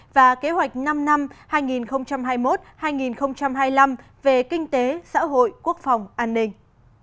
và kế hoạch năm năm hai nghìn hai mươi một hai nghìn hai mươi năm về kinh tế xã hội quốc phòng an ninh